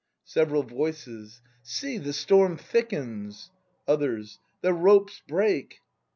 Several Voices. See, the storm thickens! Others. The ropes break!